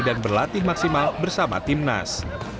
dan berlatih maksimal bersama timnas